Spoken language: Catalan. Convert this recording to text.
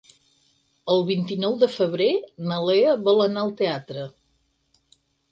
El vint-i-nou de febrer na Lea vol anar al teatre.